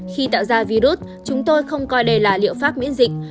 khi tạo ra virus chúng tôi không coi đây là liệu pháp miễn dịch